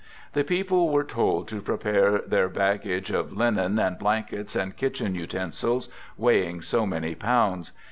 The people were told to prepare their baggage of linen and blankets and kitchen utensils, weighing so many pounds.